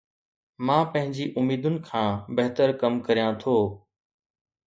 مان پنهنجي اميدن کان بهتر ڪم ڪريان ٿو